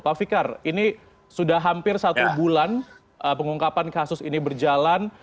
pak fikar ini sudah hampir satu bulan pengungkapan kasus ini berjalan